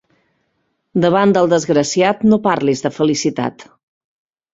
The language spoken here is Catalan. Davant del desgraciat, no parlis de felicitat.